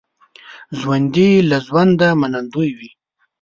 ژوندي له ژونده منندوی وي